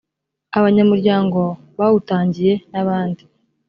abanyamuryango bawutangiye n abandi